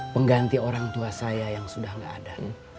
pengganti orang tua saya yang sudah gak ada